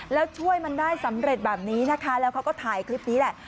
แล้วช่วยมันได้สำเร็จแบบนี้นะคะแล้วเขาก็ถ่ายคลิปนี้แหละ